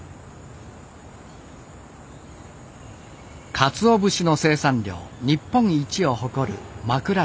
かつお節の生産量日本一を誇る枕崎。